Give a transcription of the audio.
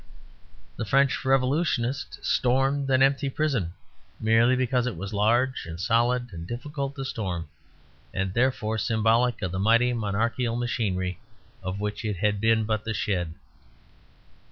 The French Revolutionists stormed an empty prison merely because it was large and solid and difficult to storm, and therefore symbolic of the mighty monarchical machinery of which it had been but the shed.